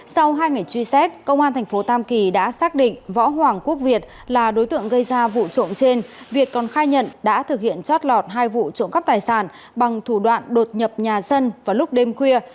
sau hai ngày truy xét công an thành phố tam kỳ đã xác định võ hoàng quốc việt là đối tượng gây ra vụ trộm trên việt còn khai nhận đã thực hiện chót lọt hai vụ trộm cắp tài sản bằng thủ đoạn đột nhập nhà dân vào lúc đêm khuya